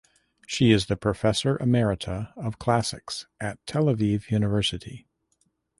She is the professor emerita of Classics at Tel Aviv University.